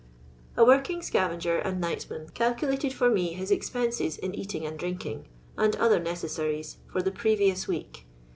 A working scavager and nightman calculated for me his expenses in eating and drinking, and other necessaries, for the previous week.